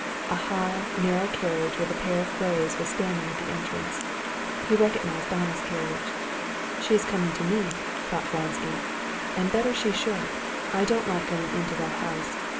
A high, narrow carriage with a pair of grays was standing at the entrance. He recognized Anna's carriage. "She is coming to me," thought Vronsky, "and better she should. I don't like going into that house.